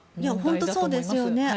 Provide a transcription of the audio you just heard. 本当にそうですよね。